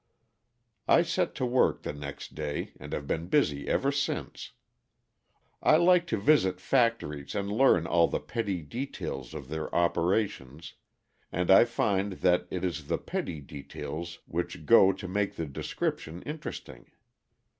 "I set to work the next day, and have been busy ever since. I like to visit factories and learn all the petty details of their operations, and I find that it is the petty details which go to make the description interesting.